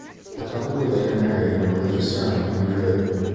The couple were later married in a religious ceremony in Madrid.